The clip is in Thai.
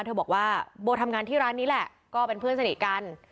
เธอบอกว่าโบทำงานที่ร้านนี้แหละก็เป็นเพื่อนสนิทกัน